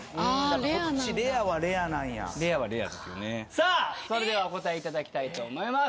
さあそれではお答えいただきたいと思います。